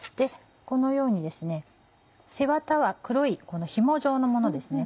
このように背ワタは黒いひも状のものですね。